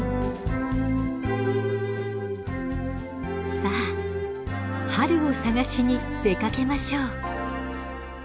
さあ春を探しに出かけましょう！